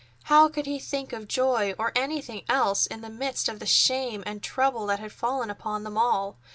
How could he think of joy or anything else in the midst of the shame and trouble that had fallen upon them all?